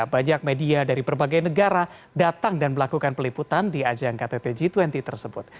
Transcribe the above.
banyak media dari berbagai negara datang dan melakukan peliputan di ajang ktt g dua puluh tersebut